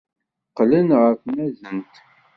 Qqlen ɣer tnazent.